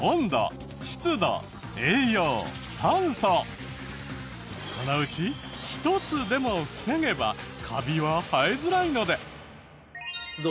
なのでこのうち１つでも防げばカビは生えづらいので。